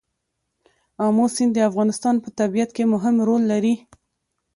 آمو سیند د افغانستان په طبیعت کې مهم رول لري.